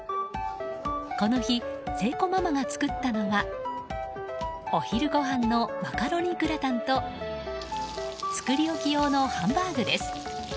この日、青子ママが作ったのはお昼ごはんのマカロニグラタンと作り置き用のハンバーグです。